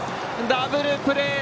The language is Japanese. ダブルプレー！